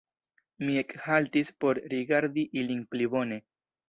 Mi ekhaltis por rigardi ilin pli bone.